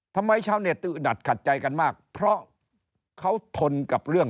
ชาวเน็ตตือหัดขัดใจกันมากเพราะเขาทนกับเรื่อง